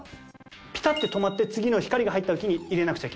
ピタッて止まって次の光が入った時に入れなくちゃいけない。